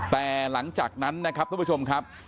แต่หลังจากนั้นนะครับทุกผู้ชมครับ